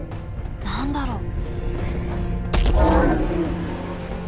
何だろう？